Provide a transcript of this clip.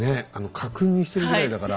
家訓にしてるぐらいだから。